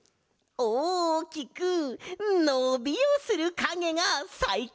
おおきくのびをするかげがさいこうとか？